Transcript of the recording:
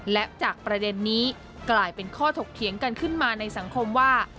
และจากประเด็นนี้กลายเป็นข้อถกเถียงกันขึ้นมาในสังคมว่า